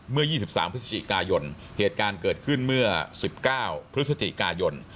เมื่อ๒๓พฤศจิกายนเหตุการณ์เกิดขึ้นเมื่อ๑๙พฤศจิกายน